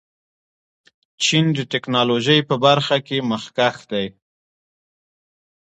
چین د ټیکنالوژۍ په برخه کې مخکښ دی.